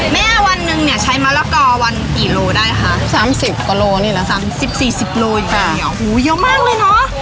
แม่วันหนึ่งเนี้ยใช้มะละก่อวันกี่โลได้คะสามสิบกว่าโลนี่แหละสามสิบสี่สิบโลอยู่ในเดียวอุ้ยเยอะมากเลยเนอะ